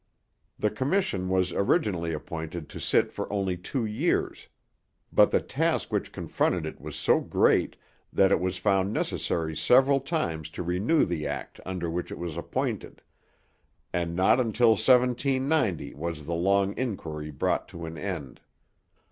The commission was originally appointed to sit for only two years; but the task which confronted it was so great that it was found necessary several times to renew the act under which it was appointed; and not until 1790 was the long inquiry brought to an end.